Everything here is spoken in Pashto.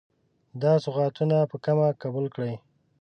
دا سوغاتونه په کمه قبول کړئ.